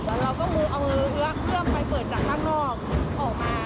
แต่เราก็รู้ว่าเครื่องมันเปิดจากข้างนอกออกมา